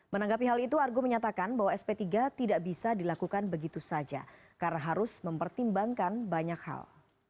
menanggapi hal itu argo menyatakan bahwa sp tiga tidak bisa dilakukan begitu saja karena harus mempertimbangkan banyak hal